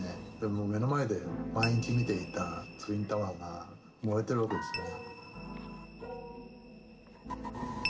もう目の前で毎日見ていたツインタワーが燃えてるわけですよね。